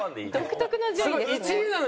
独特な順位ですね。